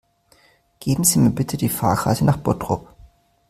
Geben Sie mir bitte die Fahrkarte nach Bottrop